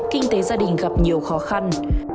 kinh tế gia đình gặp nhiều khó khăn